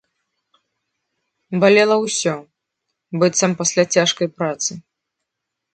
Балела ўсё, быццам пасля цяжкай працы.